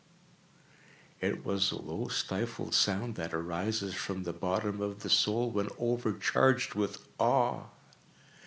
—it was the low stifled sound that arises from the bottom of the soul when overcharged with awe.